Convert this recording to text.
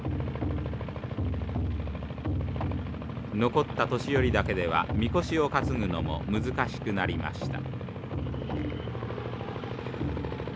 残った年寄りだけではみこしを担ぐのも難しくなりました。